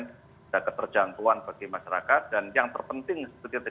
tidak keterjangkauan bagi masyarakat dan yang terpenting seperti tadi